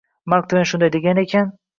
Mark Tven shunday degan ekan: